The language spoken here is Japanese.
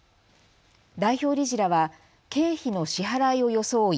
代表理事らは経費の支払いを装い